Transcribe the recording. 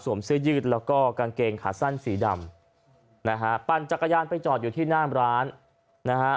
เสื้อยืดแล้วก็กางเกงขาสั้นสีดำนะฮะปั่นจักรยานไปจอดอยู่ที่หน้าร้านนะฮะ